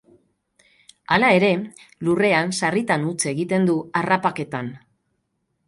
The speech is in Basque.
Hala ere, lurrean sarritan huts egiten du harrapaketan.